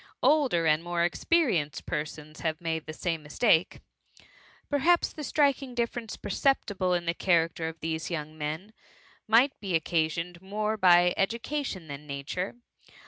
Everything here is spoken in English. Older and more experienced persons have made the same mistake. Perhaps the striking diflference perceptible in the character of these young men, might be oc casioned more by education than nature.